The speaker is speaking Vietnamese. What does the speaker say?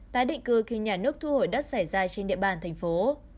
tái định cư khi nhà nước thu hồi đất xảy ra trên địa bàn thành phố